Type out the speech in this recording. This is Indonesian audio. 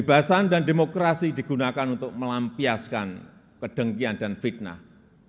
kebebasan dan demokrasi digunakan untuk melampiaskan kedengkian dan fitnah